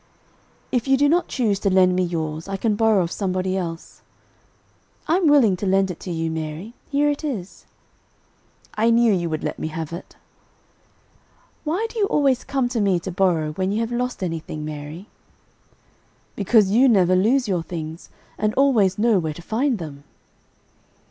"If you do not choose to lend me yours, I can borrow of somebody else." "I am willing to lend it to you, Mary. Here it is." "I knew you would let me have it." "Why do you always come to me to borrow when you have lost anything, Mary?" "Because you never lose your things, and always know where to find them."